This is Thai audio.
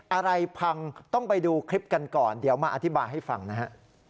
อะไรพังต้องไปดูคลิปกันก่อนเดี๋ยวมาอธิบายให้ฟังนะฮะ